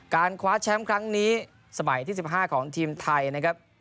การคว้าแชมป์ครั้งนี้สมัยที่๑๕ของทีมไทยนะครับ